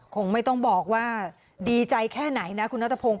คงไม่ต้องบอกว่าดีใจแค่ไหนนะคุณนัทพงศ